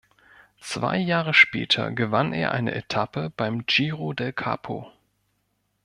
Zwei Jahre später gewann er eine Etappe beim Giro del Capo.